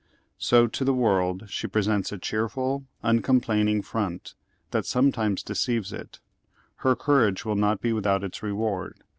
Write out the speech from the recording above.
So, to the world she presents a cheerful, uncomplaining fi'ont that some times deceives it. Her courage will not be without its reward.